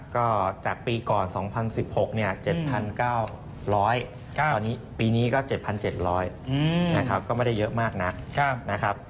ก็จากปีก่อน๒๐๑๖๗๙๐๐ปีนี้ก็๗๗๐๐ก็ไม่ได้เยอะมากนักนะครับ